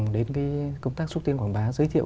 đến công tác xúc tiến quảng bá giới thiệu